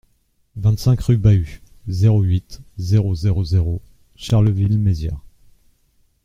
vingt-cinq rue Bahut, zéro huit, zéro zéro zéro Charleville-Mézières